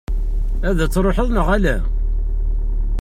Ad d-truḥeḍ, neɣ ala?